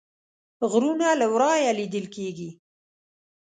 غرونه له ورایه لیدل کیږي